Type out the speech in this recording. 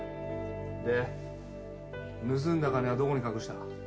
で盗んだ金はどこに隠した？